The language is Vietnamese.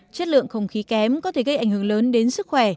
chất lượng không khí kém có thể gây ảnh hưởng lớn đến sức khỏe